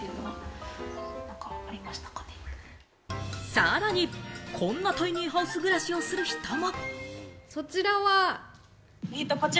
さらに、こんなタイニーハウス暮らしをする人も。